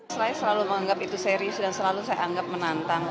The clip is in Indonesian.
saya selalu menganggap itu serius dan selalu saya anggap menantang